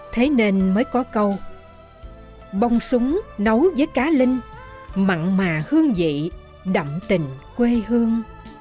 thế nên mới có câu bong súng nấu với cá linh mặn mà hương vị đậm tình quê hương